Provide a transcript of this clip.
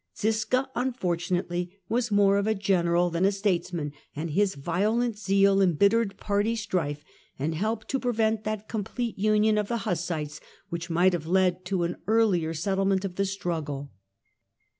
Ziska, unfortunately, was more of a general than a statesman, and his violent zeal embittered party strife and helped to prevent that complete union of the Hussites which might have led to an earlier settlement of the struggle.